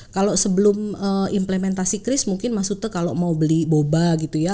kalau sebelum implementasi kris mungkin maksudnya kalau mau beli boba gitu ya